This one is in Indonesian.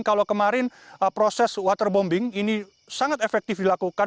kalau kemarin proses waterbombing ini sangat efektif dilakukan